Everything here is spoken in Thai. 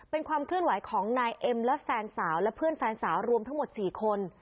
เป็นความเคลื่อนไหวของนายเอ็มและแฟนสาวและเพื่อนแฟนสาวรวมทั้งหมด๔คน